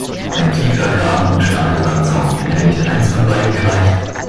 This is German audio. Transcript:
Ein tiefer Graben und Stacheldrahtzaun – hätte nicht eines von beidem gereicht?